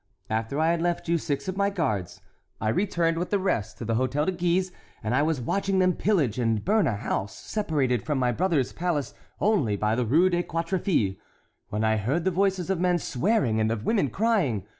After I had left you six of my guards, I returned with the rest to the Hôtel de Guise, and I was watching them pillage and burn a house separated from my brother's palace only by the Rue des Quatre Fils, when I heard the voices of men swearing and of women crying.